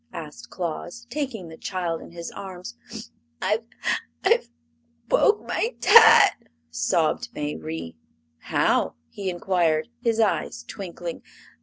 asked Claus, taking the child in his arms. "I've I've bwoke my tat!" sobbed Mayrie. "How?" he inquired, his eyes twinkling.